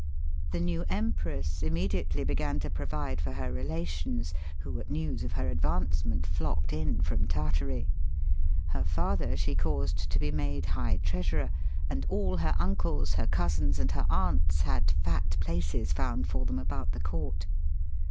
The new Empress immediately began to provide for her relations, who at news of her advancement flocked in from Tartary. Her father she caused to be made high treasurer, and all her uncles, her cousins, and her aunts had fat places found for them about the court.